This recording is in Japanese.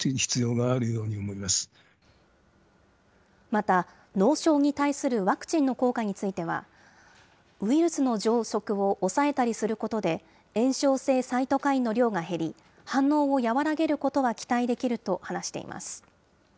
また脳症に対するワクチンの効果については、ウイルスの増殖を抑えたりすることで、炎症性サイトカインの量が減り、反応を和らげることは期待できると話しています。